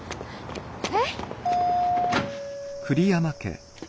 えっ？